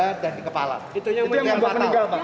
itu yang membuat meninggal bang